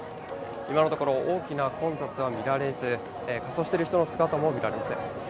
今のところ大きな混雑は見られず、仮装している人の姿も見られません。